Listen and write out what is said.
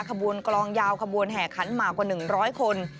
ขบวนกลองยาวขบวนแห่ขันมากกว่า๑๐๐คน